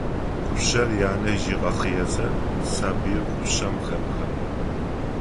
Кушъэр янэжъ ыгъэхъыезэ, сабыир кушъэм хепхэ.